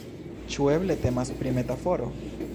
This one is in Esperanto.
Ĉu eble temas pri metaforo?